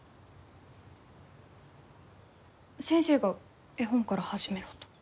先生が絵本から始めろと。